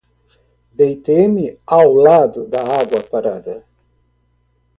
Deitei-me ao lado da água parada.